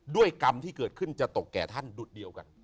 กรรมที่เกิดขึ้นจะตกแก่ท่านดุดเดียวกัน